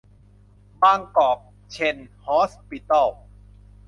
บางกอก เชน ฮอสปิทอล